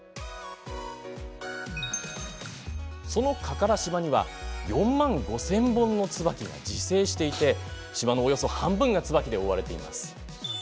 その加唐島には４万５０００本のツバキが自生していて島のおよそ半分がツバキで覆われています。